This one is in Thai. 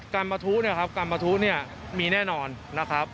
ประทุเนี่ยครับกรรมประทุเนี่ยมีแน่นอนนะครับ